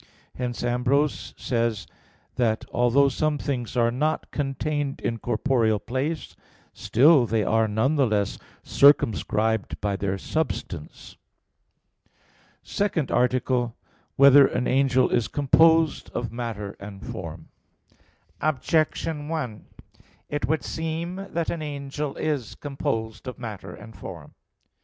Hence Ambrose says (De Spir. Sanct. i, 7) that "although some things are not contained in corporeal place, still they are none the less circumscribed by their substance." _______________________ SECOND ARTICLE [I, Q. 50, Art. 2] Whether an Angel Is Composed of Matter and Form? Objection 1: It would seem that an angel is composed of matter and form.